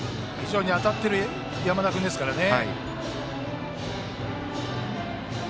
当たっている山田君ですからね。